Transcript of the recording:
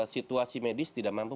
situasi medis tidak mampu